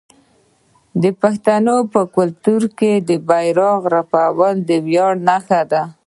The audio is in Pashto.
د پښتنو په کلتور کې د بیرغ رپیدل د ویاړ نښه ده.